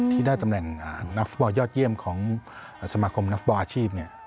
ที่ได้ตำแหน่งนักฟุตบอลยอดเยี่ยมของสมาคมนักฟุตบอลอาชีพ